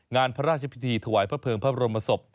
น่านพระราชภิกษีถวายพระเผลอพระบรมศพ